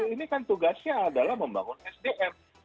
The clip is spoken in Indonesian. ini kan tugasnya adalah membangun sdm